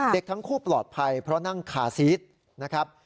เด็กทั้งคู่ปลอดภัยเพราะนั่งคาซีสนะครับ